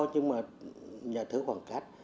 nhưng mà nhà thơ hoàng cát